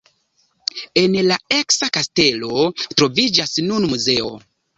En la eksa kastelo troviĝas nun muzeo.